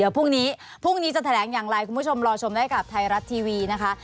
พรุ่งนี้พรุ่งนี้จะแถลงอย่างไรคุณผู้ชมรอชมได้กับไทยรัฐทีวีนะคะ